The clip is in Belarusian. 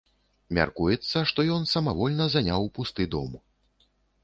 Мяркуецца, што ён самавольна заняў пусты дом.